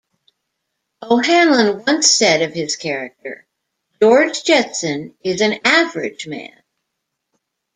O'Hanlon once said of his character: George Jetson is an average man.